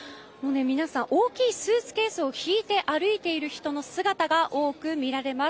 皆さん、大きいスーツケースをひいて歩いている人姿が多く見られます。